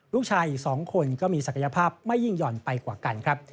ลูกชายอีก๒คนก็มีศักยภาพไม่ยิ่งหย่อนไปกว่ากันครับ